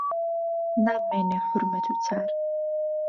ناممێنێ حورمەت و چار